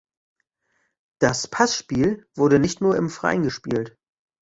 Das Passspiel wurde nicht nur im Freien gespielt.